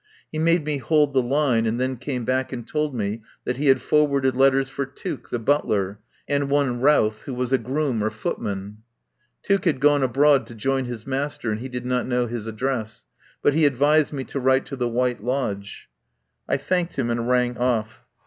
He made me hold the line, and then came back and told me that he had forwarded letters for Tuke, the butler, and one Routh who was a groom or footman. Tuke had gone abroad to join his master and he did not know his address. But he advised me to write to the White Lodge. I thanked him and rang off.